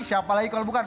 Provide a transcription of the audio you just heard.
siapa lagi kalau bukan